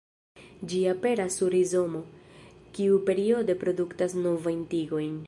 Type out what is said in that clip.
Ĝi aperas sur rizomo, kiu periode produktas novajn tigojn.